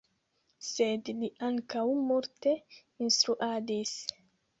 Sed li ankaŭ multe instruadis.